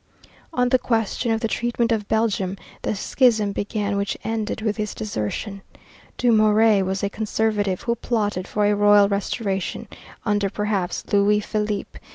On the question of the treatment of Belgium, the schism began which ended with his desertion. Dumouriez was a conservative who plotted for a royal restoration under, perhaps, Louis Philippe.